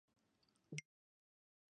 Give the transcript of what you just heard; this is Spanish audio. Este proceso se denomina Metástasis.